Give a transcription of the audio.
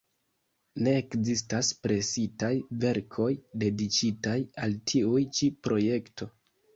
Ne ekzistas presitaj verkoj, dediĉitaj al tiu ĉi projekto".